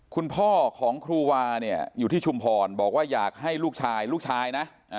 คุณพ่อของครูวาเนี่ยอยู่ที่ชุมพรบอกว่าอยากให้ลูกชายลูกชายนะ